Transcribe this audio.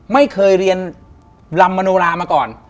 ไม่เคยเรียนลำมโนรามาก่อน